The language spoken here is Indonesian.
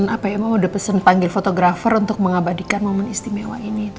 apa ya mah udah pesen panggil fotografer untuk mengabadikan momen istimewa ini